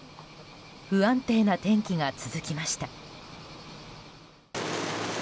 不安定な天気が続きました。